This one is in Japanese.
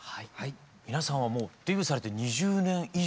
皆さんはもうデビューされて２０年以上。